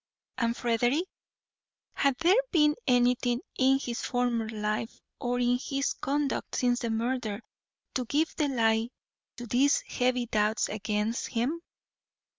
] And Frederick? Had there been anything in his former life or in his conduct since the murder to give the lie to these heavy doubts against him?